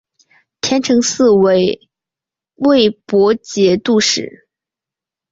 田承嗣为魏博节度使。